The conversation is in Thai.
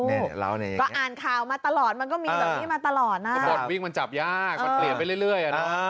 นี่ก็อ่านข่าวมาตลอดมันก็มีแบบนี้มาตลอดนะคือบทวิ่งมันจับยากมันเปลี่ยนไปเรื่อย